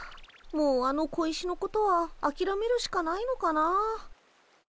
もうあの小石のことはあきらめるしかないのかなあ。